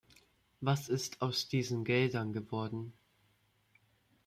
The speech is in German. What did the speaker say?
Was ist aus diesen Geldern geworden?